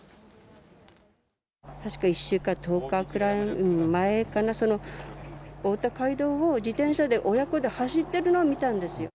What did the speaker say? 確か１週間か１０日ぐらい前か、その太田街道を自転車で親子で走っているのを見たんですよ。